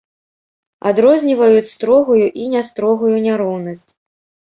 Адрозніваюць строгую і нястрогую няроўнасць.